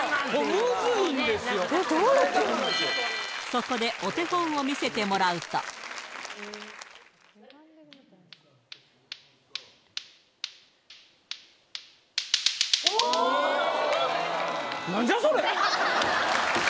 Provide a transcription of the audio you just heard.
そこでお手本を見せてもらうとおぉすごい！